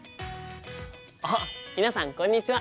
あっ皆さんこんにちは！